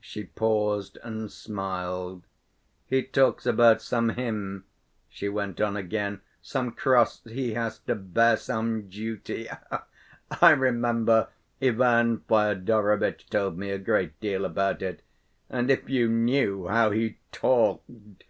She paused and smiled. "He talks about some hymn," she went on again, "some cross he has to bear, some duty; I remember Ivan Fyodorovitch told me a great deal about it, and if you knew how he talked!"